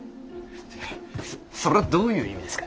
そそりゃどういう意味ですか。